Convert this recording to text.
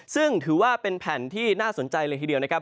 ซึ่งถือว่าเป็นแผ่นที่น่าสนใจเลยทีเดียวนะครับ